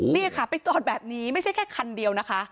นี่ค่ะไปจอดแบบนี้ไม่ใช่แค่คันเดียวนะคะ